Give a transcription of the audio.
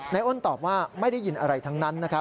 นายอ้นตอบว่าไม่ได้ยินอะไรทั้งนั้น